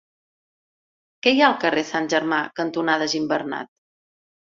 Què hi ha al carrer Sant Germà cantonada Gimbernat?